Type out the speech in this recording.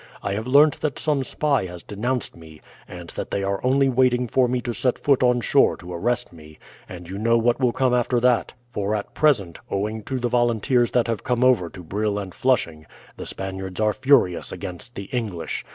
I have learnt that some spy has denounced me, and that they are only waiting for me to set foot on shore to arrest me, and you know what will come after that; for at present, owing to the volunteers that have come over to Brill and Flushing, the Spaniards are furious against the English.